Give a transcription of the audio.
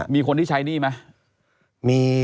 มีคนที่ใช้หนี้มั้ย